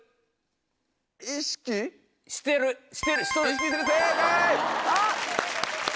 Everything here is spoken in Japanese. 「意識してる」正解！